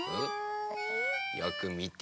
よくみて。